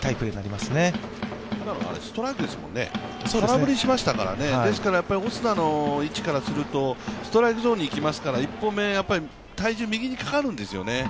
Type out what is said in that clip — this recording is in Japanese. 今のはストライクですもんね、空振りしましたから、オスナの位置からするとストライクゾーンにいきますから、１本目体重が右にかかるんですよね。